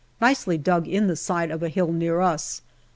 nicely dug in the side of a hill near us.